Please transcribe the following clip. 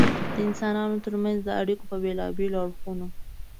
د انسانانو تر منځ د اړیکو په بېلابېلو اړخونو.